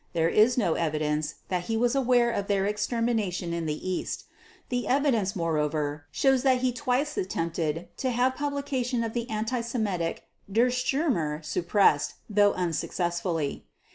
There is no evidence that he was aware of their extermination in the East. The evidence moreover shows that he twice attempted to have publication of the anti Semitic Der Stürmer suppressed, though unsuccessfully.